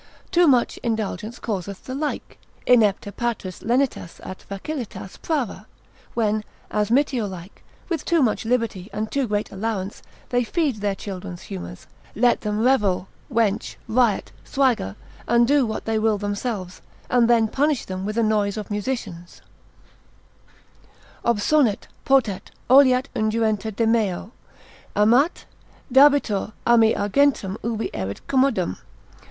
Too much indulgence causeth the like, inepta patris lenitas et facilitas prava, when as Mitio like, with too much liberty and too great allowance, they feed their children's humours, let them revel, wench, riot, swagger, and do what they will themselves, and then punish them with a noise of musicians; Obsonet, potet, oleat unguenta de meo; Amat? dabitur a me argentum ubi erit commodum.